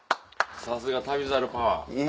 さすが『旅猿』パワー。